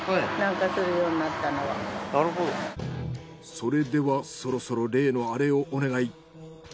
それではそろそろ例のアレをお願い。